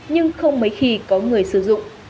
nhưng không mấy khi có người sử dụng